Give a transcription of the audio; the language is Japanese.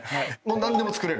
何でも作れる？